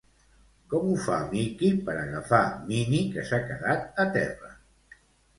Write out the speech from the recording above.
Com ho fa Mickey per agafar Minnie, que s'ha quedat a terra?